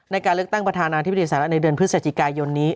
ในการเลือกตั้งประธานาธิบดีสหรัฐในเดือนพฤศจิกายนนี้